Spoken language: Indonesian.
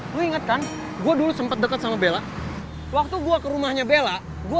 lu ingatkan gue dulu sempet dekat sama bella waktu gua ke rumahnya bella gua